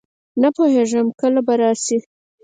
نه پوهېږم کله به راشي.